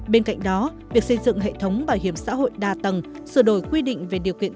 bên cạnh đó việc xây dựng hệ thống bảo hiểm xã hội đa tầng sửa đổi quy định về điều kiện